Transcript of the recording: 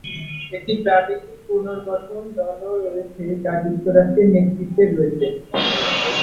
একটি প্রাদেশিক পুনর্গঠন দলও রয়েছে যা যুক্তরাষ্ট্রের নেতৃত্বে রয়েছে।